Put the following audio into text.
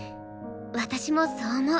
私もそう思う。